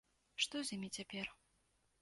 Што з імі цяпер?